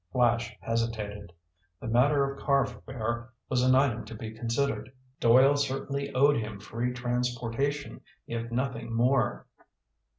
Flash hesitated. The matter of car fare was an item to be considered. Doyle certainly owed him free transportation if nothing more.